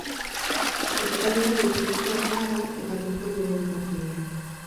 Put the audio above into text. Kazetaritzan lizentziatua da eta kultur dinamizatzailea.